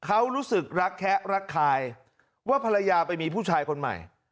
เขารู้สึกรักแคะรักคายว่าภรรยาไปมีผู้ชายคนใหม่